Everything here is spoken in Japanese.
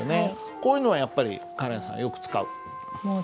こういうのはやっぱりカレンさんよく使う？